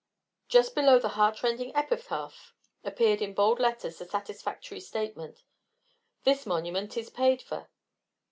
Just below the heartrending epitaph appeared in bold letters the satisfactory statement "This monument is pade fer."